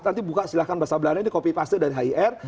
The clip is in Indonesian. nanti buka silahkan bahasa belakangnya ini copy paste dari hir